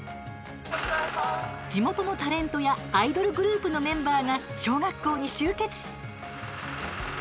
地元のタレントやアイドルグループのメンバーが小学校に集結。